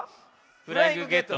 「フライングゲット」。